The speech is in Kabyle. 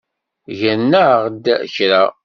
Gran-aɣ-d kra.